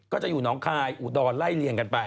ก็จะอยู่น้องคายอุดรไล่เลี่ยงกันไป